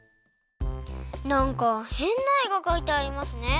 なんかへんなえがかいてありますね。